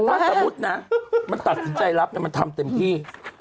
ถ้าสมมุตินะมันตัดสินใจรับมันทำเต็มที่